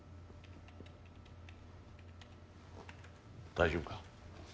大丈夫か？